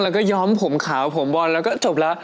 แล้วก็ย้อมผมขาวผมบอลแล้วก็จบแล้ว